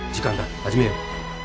始めよう。